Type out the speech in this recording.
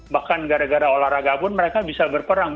bahkan gara gara olahraga pun mereka bisa berperang